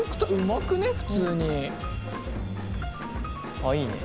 あっいいね。